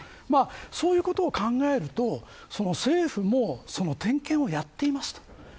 そういうことを考えると政府もその点検をやっていますと。